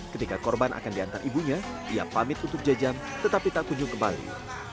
ketika korban akan diantar ibunya ia pamit untuk jajam tetapi tak kunjung kembali